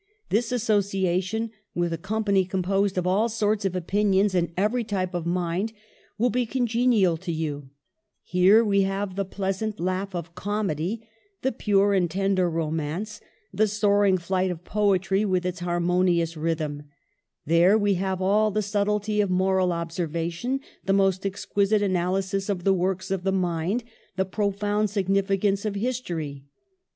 This associa tion with a company composed of all sorts of opinions and every type of mind will be con genial to you ; here we have the pleasant laugh of comedy, the pure and tender romance, the soaring flight of poetry, with its harmonious rhythm ; there we have all the subtlety of moral observation, the most exquisite analysis of the works of the mind, the profound significance of history.